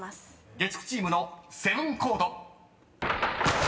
［月９チームのセブンコード］